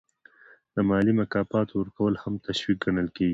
د مالي مکافاتو ورکول هم تشویق ګڼل کیږي.